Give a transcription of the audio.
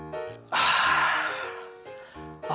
ああ！